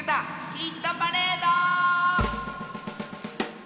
ヒットパレード」！